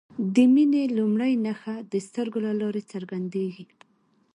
د مینې لومړۍ نښه د سترګو له لارې څرګندیږي.